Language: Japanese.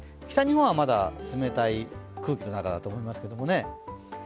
北日本はまだ冷たい空気の中だと思いますけどね。